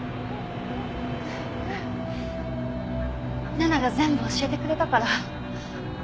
ななが全部教えてくれたから。